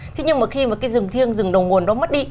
thế nhưng mà khi mà cái rừng thiêng rừng đầu nguồn nó mất đi